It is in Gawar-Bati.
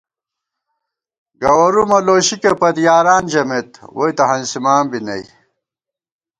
گوَرُومہ لوشِکےپت یاران ژَمېت ووئی تہ ہنسِمان بی نئ